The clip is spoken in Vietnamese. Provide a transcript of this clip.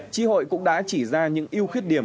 tri hội cũng đã chỉ ra những yêu khuyết điểm